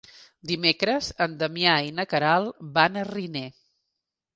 Dimecres en Damià i na Queralt van a Riner.